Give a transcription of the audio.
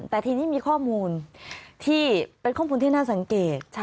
แต่ทีนี้มีข้อมูลที่เป็นข้อมูลที่น่าสังเกต